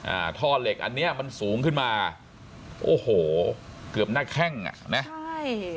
อ่าท่อเหล็กอันเนี้ยมันสูงขึ้นมาโอ้โหเกือบหน้าแข้งอ่ะนะใช่